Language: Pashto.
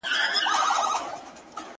پل مي دي پیدا کی له رویبار سره مي نه لګي٫